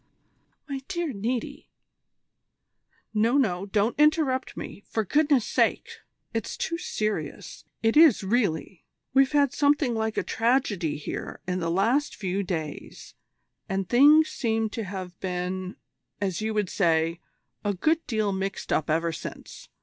"My dear Niti " "No, no, don't interrupt me, for goodness' sake. It's too serious. It is really. We've had something like a tragedy here in the last few days, and things seem to have been, as you would say, a good deal mixed up ever since.